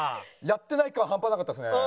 やってない感半端なかったですね。